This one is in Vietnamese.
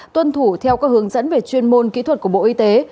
tuân thủ theo các hướng dẫn về chuyên môn kỹ thuật của bộ y tế